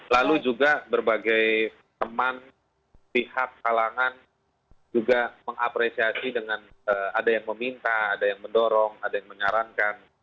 lalu juga berbagai teman pihak kalangan juga mengapresiasi dengan ada yang meminta ada yang mendorong ada yang menyarankan